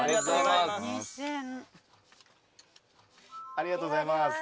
ありがとうございます。